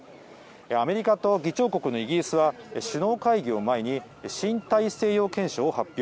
アメリカと議長国のイギリスは、首脳会議を前に、新大西洋憲章を発表。